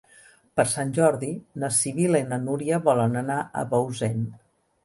Per Sant Jordi na Sibil·la i na Núria volen anar a Bausen.